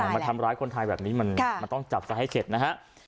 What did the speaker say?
มาทำร้ายคนไทยแบบนี้มันต้องจับใจให้เข็ดนะฮะ